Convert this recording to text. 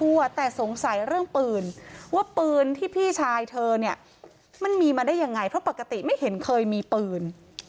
ว่าปืนที่พี่ชายเธอเนี่ยมันมีมาได้ยังไงเพราะปกติไม่เห็นเคยมีปืน